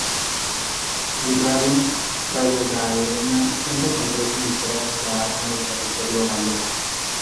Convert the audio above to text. En radio, Radio Galega cuenta con tres emisoras que abarcan el territorio gallego.